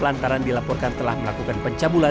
lantaran dilaporkan telah melakukan pencabulan